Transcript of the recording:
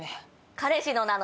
彼氏のなの。